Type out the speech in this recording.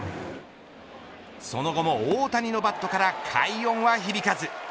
その後も大谷のバットから快音は響かず。